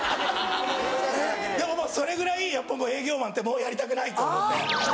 でもそれぐらい営業マンってもうやりたくない！って思って。